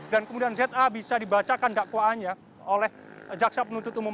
kemudian za bisa dibacakan dakwaannya oleh jaksa penuntut umum